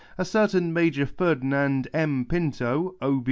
A certain Major Ferdinand M. Pinto, O.